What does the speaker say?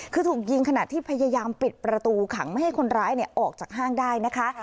คือถูกยิงขณะที่พยายามปิดประตูขังไม่ให้คนร้ายออกจากห้างได้นะคะ